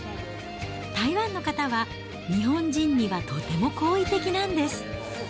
台湾の方は、日本人にはとても好意的なんです。